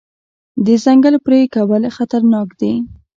د ځنګل پرې کول خطرناک دي.